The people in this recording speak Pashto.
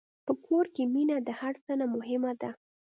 په کور کې مینه د هر څه نه مهمه ده.